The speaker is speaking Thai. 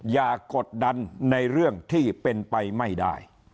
กดดันในเรื่องที่เป็นไปไม่ได้